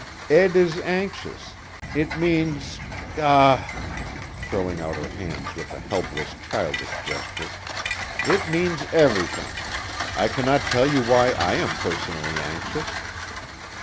"Ed is anxious. It means Ah!" throwing out her hands with a helpless, childish gesture, "it means everything. I cannot tell you why I am personally anxious."